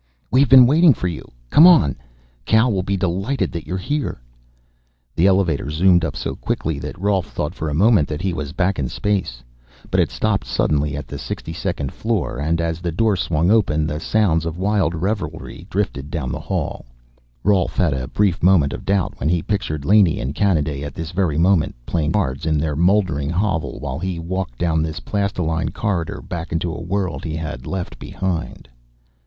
"We've been waiting for you. Come on; Kal will be delighted that you're here." The elevator zoomed up so quickly that Rolf thought for a moment that he was back in space. But it stopped suddenly at the 62nd floor, and, as the door swung open, the sounds of wild revelry drifted down the hall. Rolf had a brief moment of doubt when he pictured Laney and Kanaday at this very moment, playing cards in their mouldering hovel while he walked down this plastiline corridor back into a world he had left behind.